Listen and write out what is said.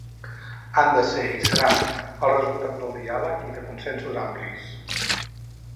Han de ser, i seran, el resultat del diàleg i de consensos amplis.